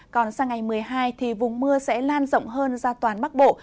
còn sang ngày một mươi hai thì vùng mưa sẽ lan rộng hơn ra toàn bắc bộ